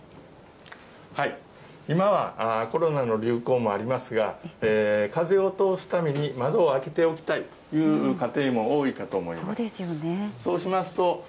今はコロナの流行もありますが、風を通すために窓を開けておきたいという家庭も多いかと思います。